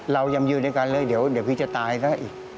เรายำยืดด้วยกันเลยเดี๋ยวพี่จะตายแล้ว